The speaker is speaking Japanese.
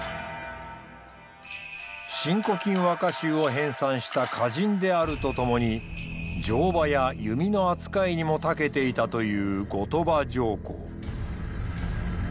「新古今和歌集」を編さんした歌人であるとともに乗馬や弓の扱いにもたけていたという後鳥羽上皇。